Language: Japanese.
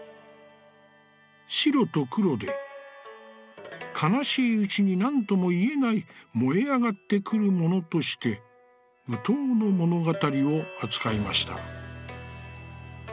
白と黒で、悲しいうちに何ともいえないもえあがってくるものとして、善知鳥の物語を扱いました」。